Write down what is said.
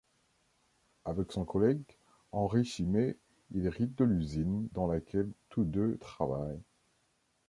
Avec son collègue Henri Chimay, il hérite de l'usine dans laquelle tous deux travaillent.